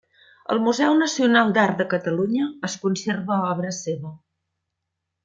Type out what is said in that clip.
Al Museu Nacional d'Art de Catalunya es conserva obra seva.